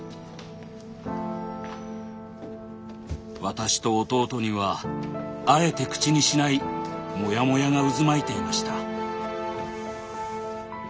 私と弟にはあえて口にしないモヤモヤが渦巻いていました。